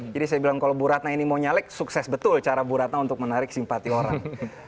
jadi saya bilang kalau ibu ratna ini mau nyalek sukses betul cara ibu ratna untuk menarik simpati orang